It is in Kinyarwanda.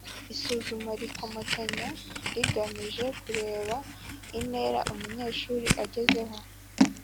isuzuma rikomatanya rigamije kureba intera umunyeshuri agezeho